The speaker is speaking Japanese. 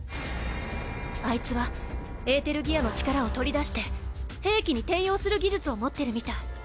あいつはエーテルギアの力を取り出して兵器に転用する技術を持ってるみたい。